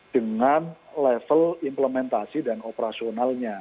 dengan level implementasi dan operasionalnya